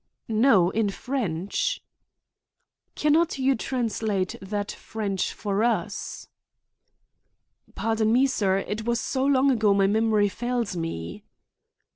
"No, in French." "Can not you translate that French for us?" "Pardon me, sir; it was so long ago my memory fails me."